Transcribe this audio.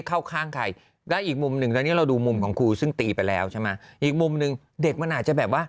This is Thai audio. เขาก็ร้องไห้นะ